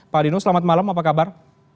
pak dino selamat malam apa kabar